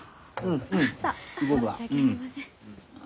あっ申し訳ありません。